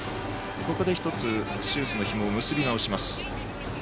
ここで１つ、シューズのひもを結びなおします。